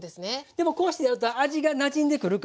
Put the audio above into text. でもこうしてやると味がなじんでくるからいいのよ。